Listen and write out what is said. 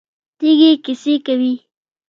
تیږې کیسې کوي.